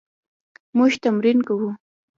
موږ تمرین کوو